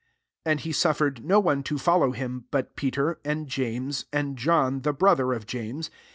'* 37 And he suf fered no one to follow him, but Peter, and James, and John the brother of James.